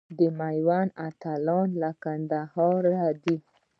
د میوند اتلان له کندهاره دي.